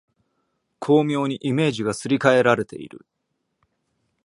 巧妙にイメージがすり替えられている